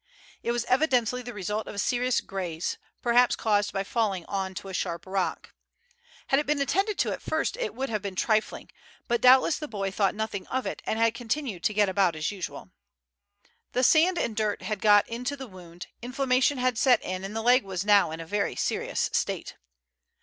It was evidently the result of a serious graze, perhaps caused by falling on to a sharp rock. Had it been attended to at first it would have been trifling, but doubtless the boy thought nothing of it and had continued to get about as usual. The sand and dirt had got into the wound, inflammation had set in, and the leg was now in a very serious state.